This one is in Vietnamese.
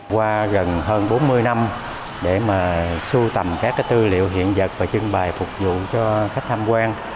qua gần hơn bốn mươi năm để mà sưu tầm các tư liệu hiện vật và trưng bày phục vụ cho khách tham quan